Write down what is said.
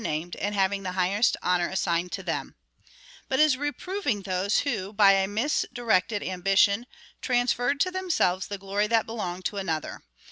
171 named, and having the highest honour assigned to them,) but is reproving those who, by a misdirected ambition, trans ferred to themselves the glory that belonged to another.